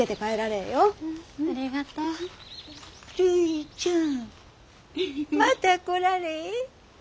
るいちゃん。また来られえ。